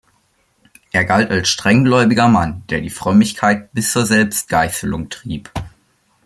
Er galt als strenggläubiger Mann, der die Frömmigkeit bis zur Selbstgeißelung trieb.